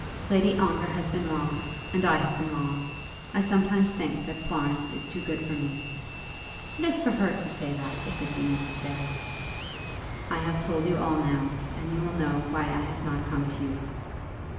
Lady Ongar has been wrong, and I have been wrong. I sometimes think that Florence is too good for me." "It is for her to say that, if it be necessary." "I have told you all now, and you will know why I have not come to you."